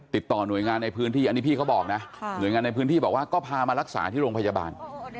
ติดต่อหน่วยงานในพื้นที่อันนี้พี่เขาบอกนะหน่วยงานในพื้นที่บอกว่าก็พามารักษาที่โรงพยาบาล